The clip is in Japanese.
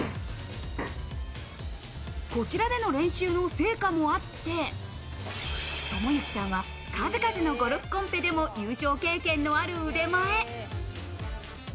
こちらでの練習の成果もあって、友行さんは数々のゴルフコンペでも優勝経験のある腕前。